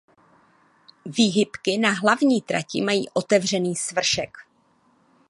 Výhybky na hlavní trati mají otevřený svršek.